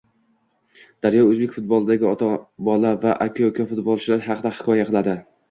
Daryo o‘zbek futbolidagi ota-bola va aka-uka futbolchilar haqida hikoya qiladi